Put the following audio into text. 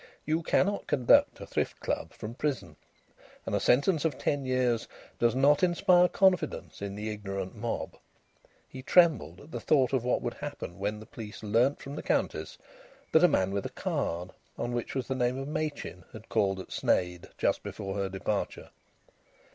You cannot conduct a thrift club from prison, and a sentence of ten years does not inspire confidence in the ignorant mob. He trembled at the thought of what would happen when the police learned from the Countess that a man with a card on which was the name of Machin had called at Sneyd just before her departure.